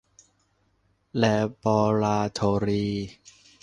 แลบอราทอรีส์